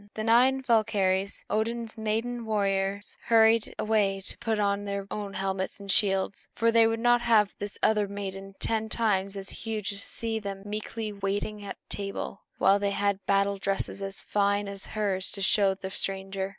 The nine Valkyries, Odin's maiden warriors, hurried away to put on their own helmets and shields; for they would not have this other maiden, ten times as huge, see them meekly waiting at table, while they had battle dresses as fine as hers to show the stranger.